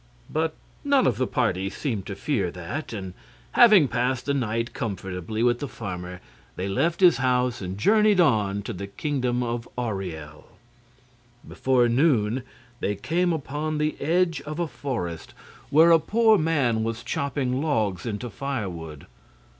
But none of the party seemed to fear that, and having passed the night comfortably with the farmer they left his house and journeyed on into the Kingdom of Auriel. Before noon they came upon the edge of a forest, where a poor man was chopping logs into firewood.